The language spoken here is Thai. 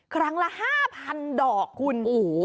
ครั้งละ๕๐๐๐ดอกคุณ